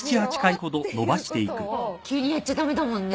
急にやっちゃ駄目だもんね。